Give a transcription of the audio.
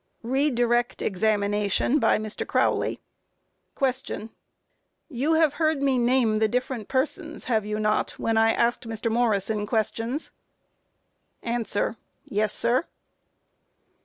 Re Direct Examination by MR. CROWLEY: Q. You have heard me name the different persons, have you not, when I asked Mr. Morrison questions? A. Yes, sir.